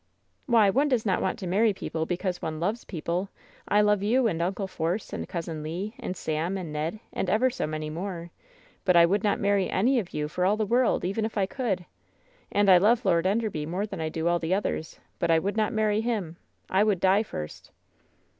"Why, one does not want to marry people because one loves people. I love you and Uncle Force, and Cousin Le, and Sam and Ned, and ever so many more; but I would not marry any of you for all the world, even if I could. And I love Lord Enderby more than I do all the others, but I would not marry him. I would die first!"